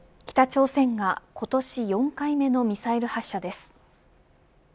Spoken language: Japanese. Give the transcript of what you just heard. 北朝鮮が今年４回目のミサイル発射です。